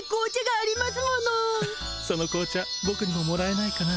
「その紅茶ボクにももらえないかな？」。